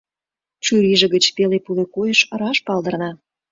Чурийже гыч пеле-пуле койыш раш палдырна.